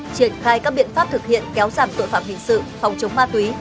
triển khai các biện pháp thực hiện kéo giảm tội phạm hình sự phòng chống ma túy